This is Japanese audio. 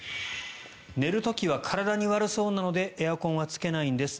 寝る時は体に悪そうなのでエアコンはつけないんです。